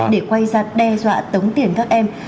để quay ra đe dọa tống tiền các em